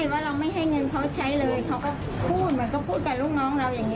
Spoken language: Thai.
ว่าเราไม่ให้เงินเขาใช้เลยเขาก็พูดเหมือนก็พูดกับลูกน้องเราอย่างนี้